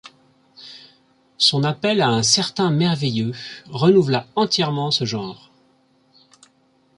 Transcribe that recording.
Son appel à un certain merveilleux renouvela entièrement ce genre.